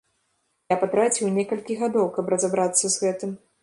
Я патраціў некалькі гадоў, каб разабрацца з гэтым.